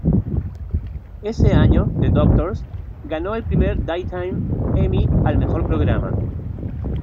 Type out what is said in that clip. Ese año, "The Doctors" ganó el primer Daytime Emmy al mejor programa.